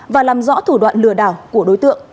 và làm rõ thủ đoạn lừa đảo của đối tượng